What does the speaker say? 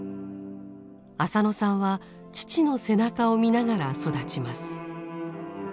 浅野さんは父の背中を見ながら育ちます。